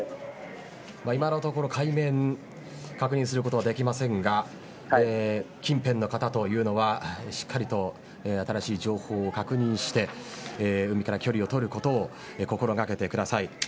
今のところ海面確認することはできませんが近辺の方というのはしっかりと新しい情報を確認して海から距離を取ることを心掛けてください。